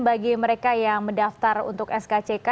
bagi mereka yang mendaftar untuk skck